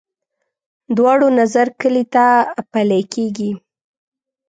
دواړو نظر کلي ته پلی کېږي.